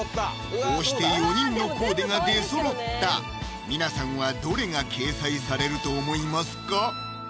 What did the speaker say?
こうして４人のコーデが出そろった皆さんはどれが掲載されると思いますか？